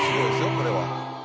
これは。